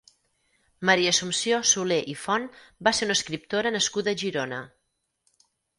Maria Assumpció Soler i Font va ser una escriptora nascuda a Girona.